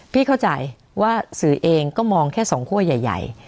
เข้าใจว่าสื่อเองก็มองแค่สองคั่วใหญ่